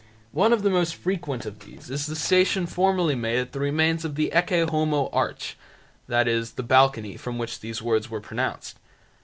One of the most frequent of these is the Station formerly made at the remains of the Ecce Homo arch, i.e. the balcony from which these words were pronounced.